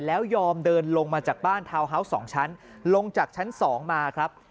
แล้วยอมเดินลงมาจากบ้านทาวน์ฮาวส์๒ชั้นลงจากชั้น๒มาครับ